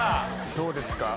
どうですか？